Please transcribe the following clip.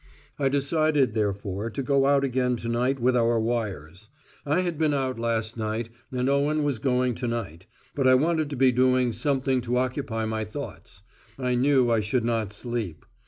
I decided therefore to go out again to night with our wires. I had been out last night, and Owen was going to night, but I wanted to be doing something to occupy my thoughts. I knew I should not sleep.